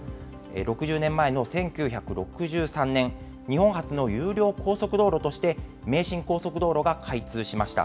６０年前の１９６３年、日本初の有料高速道路として名神高速道路が開通しました。